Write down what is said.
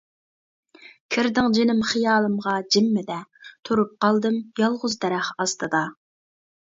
كىردىڭ جېنىم خىيالىمغا جىممىدە، تۇرۇپ قالدىم يالغۇز دەرەخ ئاستىدا.